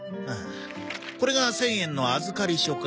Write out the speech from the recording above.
これが１０００円の預かり書か。